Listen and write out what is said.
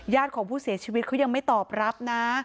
ของผู้เสียชีวิตเขายังไม่ตอบรับนะ